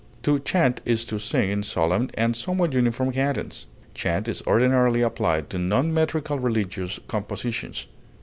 To chant is to sing in solemn and somewhat uniform cadence; chant is ordinarily applied to non metrical religious compositions.